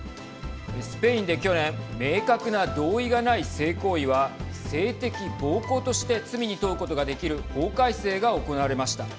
スペインで去年明確な同意がない性行為は性的暴行として罪に問うことができる法改正が行われました。